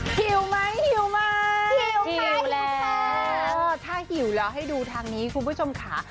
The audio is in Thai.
หิวไหมหิวไหมหิวไหมถ้าหิวแล้วให้ดูทางนี้คุณผู้ชมค่ะ